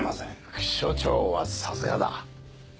副署長はさすがだ。